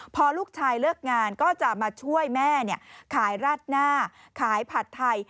พอลูกชายเลิกงานก็จะมาช่วยแม่ขายราดหน้าขายผัดไทย